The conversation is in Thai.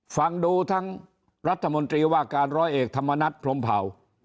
ฟังดูทั้งรัฐมนตรีว่าการร้อยเอกธรรมนัฐพรมเผา